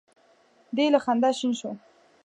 دی له خندا شین شو.